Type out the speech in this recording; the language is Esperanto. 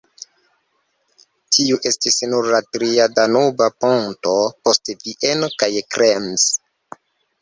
Tiu estis nur la tria Danuba ponto, post Vieno kaj Krems.